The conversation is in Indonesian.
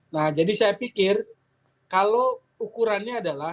nah jadi saya pikir kalau ukurannya adalah